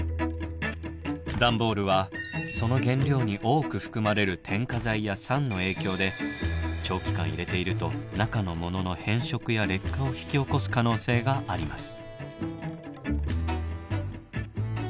段ボールはその原料に多く含まれる添加剤や酸の影響で長期間入れていると中のものの変色や劣化を引き起こす可能性があります。